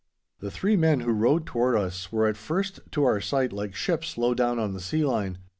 The three men who rode toward us were at first to our sight like ships low down on the sea line.